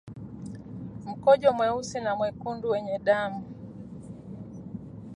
Mkojo mweusi au mwekundu wenye damu